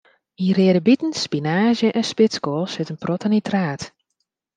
Yn reade biten, spinaazje en spitskoal sit in protte nitraat.